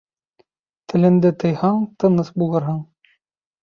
Теленде тыйһаң, тыныс булырһың.